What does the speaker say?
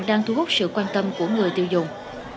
đang thu hút sự quan tâm của người tiêu dùng